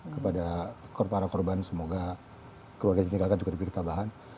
kepada para korban semoga keluarga ditinggalkan juga diberi ketabahan